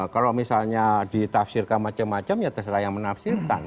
kalau misalnya ditafsirkan macam macam ya terserah yang menafsirkan